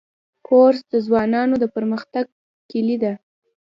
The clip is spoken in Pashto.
کورس د ځوانانو د پرمختګ کلۍ ده.